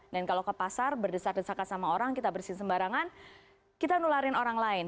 dan kalau ke pasar berdesak desakan sama orang kita bersihin sembarangan kita nularin orang lain